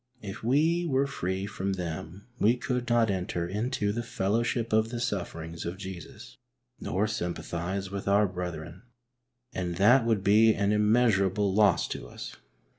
If we were free from them we could not enter into " the fellowship of the sufferings " of Jesus, nor sympathise with our brethren, and that would be an immeasurable loss to us.